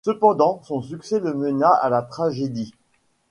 Cependant, son succès le mena à la tragedie.